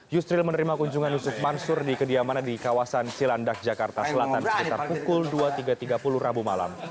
yusril menerima kunjungan yusuf mansur di kediamannya di kawasan cilandak jakarta selatan sekitar pukul dua tiga puluh rabu malam